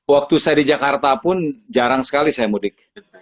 waktu saya di jakarta pun jarang sekali saya mudik